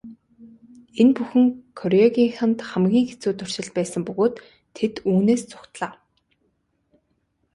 Энэ бүхэн Кюрегийнхэнд хамгийн хэцүү туршилт байсан бөгөөд тэд үүнээс зугтлаа.